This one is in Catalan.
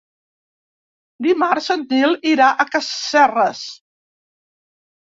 Dimarts en Nil irà a Casserres.